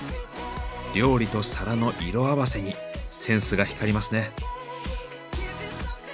料理と皿の色合わせにセンスが光りますね。